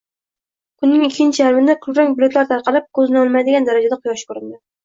Kunning ikkinchi yarmida kulrang bulutlar tarqalib, ko`zni olmaydigan darajada quyosh ko`rindi